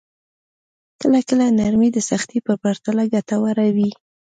کله کله نرمي د سختۍ په پرتله ګټوره وي.